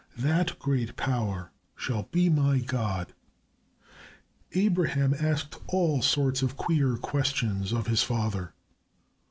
That great power shall be my God." Abraham asked all sorts of queer questions of his father.